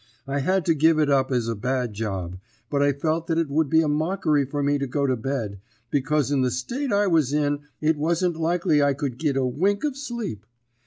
I had to give it up as a bad job, but I felt that it would be a mockery for me to go to bed, because in the state I was in it wasn't likely I could git a wink of sleep.